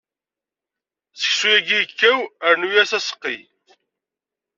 Seksu-agi ikkaw, rnu-as aseqqi.